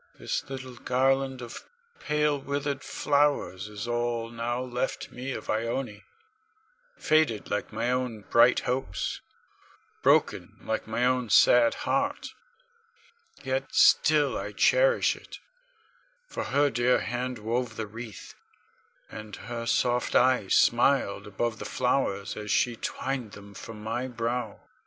This little garland of pale, withered flowers is all now left me of Ione, faded like my own bright hopes, broken like my own sad heart. Yet still I cherish it, for her dear hand wove the wreath, and her soft eyes smiled above the flowers as she twined them for my brow.